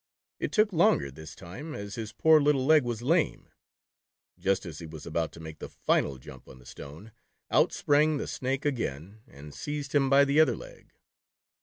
It took longer this time, as his poor little leg was lame. Just as he was about to make the final jump on the stone, out sprang the Snake again and seized him by the other leg.